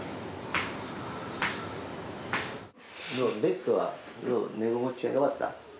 ベッドは寝心地は良かった？